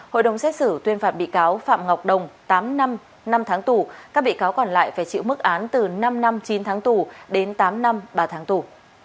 hội đồng xét xử tuyên phạt bị cáo phạm ngọc đồng tám năm năm tháng tù các bị cáo còn lại phải chịu mức án từ năm năm chín tháng tù đến tám năm ba tháng tù